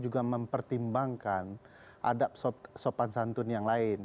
juga mempertimbangkan adab sopan santun yang lain